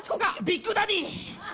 ビッグダディ！